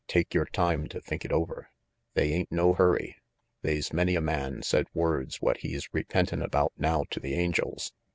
Take your time to think it over. They ain't no hurry. They's many a man said words what he's repentin' about now to the angels.